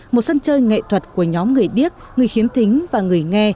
một sân chơi nghệ thuật của nhóm người điếc người khiếm thính và người nghe